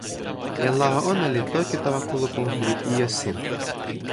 jan lawa ona li toki tawa kulupu li ijo sin: